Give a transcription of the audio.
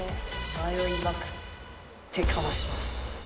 迷いまくってかまします。